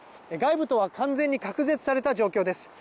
外部とは完全に隔絶された状況です。